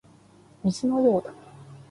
水のようだ